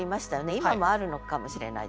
今もあるのかもしれないですね。